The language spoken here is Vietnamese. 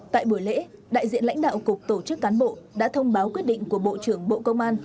tại buổi lễ đại diện lãnh đạo cục tổ chức cán bộ đã thông báo quyết định của bộ trưởng bộ công an